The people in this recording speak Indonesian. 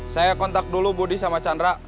saya kontak dulu budi sama chandra